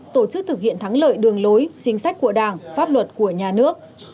tổ chức thực hiện thắng lợi đường lối chính sách của đảng pháp luật của nhà nước